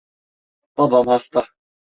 Babam hasta.